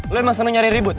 lo emang seneng nyari ribut